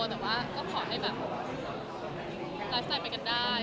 แต่ว่าก็ขอให้แบบไลฟ์สไตลไปกันได้